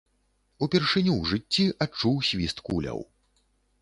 Упершыню ў жыцці адчуў свіст куляў.